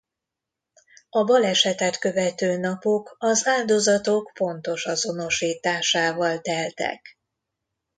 A balesetet követő napok az áldozatok pontos azonosításával teltek.